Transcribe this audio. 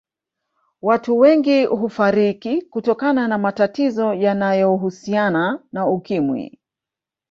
Watu wengi hufariki kutokana na matatizo yanayohusiana na Ukimwi